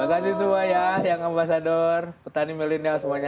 makasih semua ya yang ambasador petani milenial semuanya